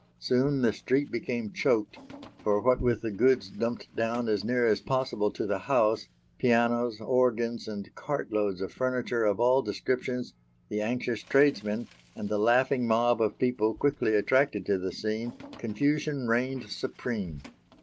Soon the street became choked: for, what with the goods dumped down as near as possible to the house pianos, organs, and cart loads of furniture of all descriptions, the anxious tradesmen, and the laughing mob of people quickly attracted to the scene, confusion reigned supreme.